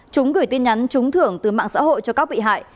chúng gửi tin nhắn trúng thưởng từ mạng xã hội cho các bị hại